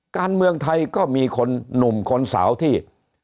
การเมืองไทยก็มีคนหนุ่มคนสาวที่